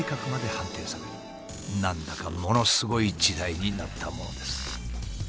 何だかものすごい時代になったものです。